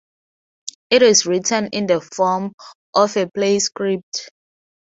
It is written in the form of a play script.